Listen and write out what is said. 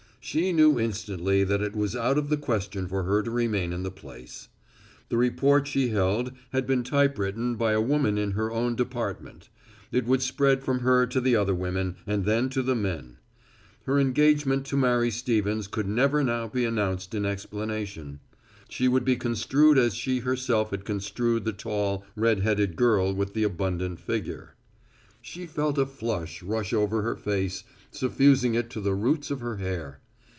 She knew instantly that it was out of the question for her to remain in the place. The report she held had been typewritten by a woman in her own department. It would spread from her to the other women and then to the men. Her engagement to marry Stevens could never now be announced in explanation. She would be construed as she herself had construed the tall, red headed girl with the abundant figure. She felt a flood rush over her face, suffusing it to the roots of her hair.